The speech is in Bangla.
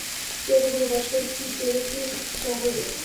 তুই এতগুলো বছর কি জেলে ছিলি না জঙ্গলে?